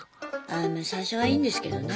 あま最初はいいんですけどね